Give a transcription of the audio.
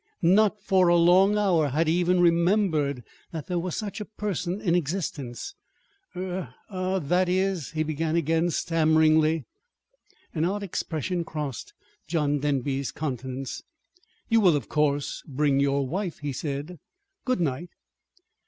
Not for a long hour had he even remembered that there was such a person in existence. "Er ah that is," he began again, stammeringly. An odd expression crossed John Denby's countenance. "You will, of course, bring your wife," he said. "Good night."